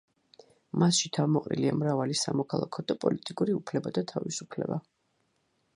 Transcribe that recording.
მასში თავმოყრილია მრავალი სამოქალაქო და პოლიტიკური უფლება და თავისუფლება.